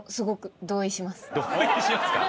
同意しますか。